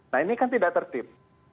nah ini kan tidak tertib